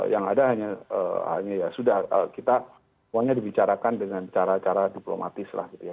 yang ada hanya ya sudah kita semuanya dibicarakan dengan cara cara diplomatis lah gitu ya